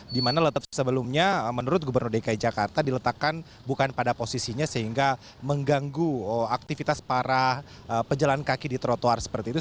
dimana letup sebelumnya menurut gubernur dki jakarta diletakkan bukan pada posisinya sehingga mengganggu aktivitas para pejalan kaki di trotoar seperti itu